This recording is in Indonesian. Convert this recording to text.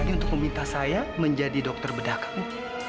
ini untuk meminta saya menjadi dokter bedah kamu